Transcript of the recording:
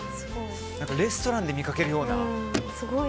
レストランで見かけるような。